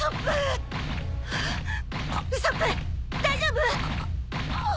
大丈夫！？